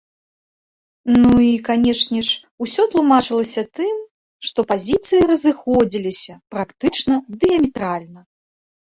Ну, і канешне ж, усё тлумачылася тым, што пазіцыі разыходзіліся практычна дыяметральна.